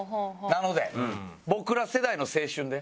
なので僕ら世代の青春で。